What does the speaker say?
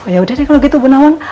ya udah deh kalau gitu bu nawan